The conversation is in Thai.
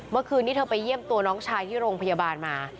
เมื่อคืนนี้เธอไปเยี่ยมตัวน้องชายที่โรงพยาบาลมา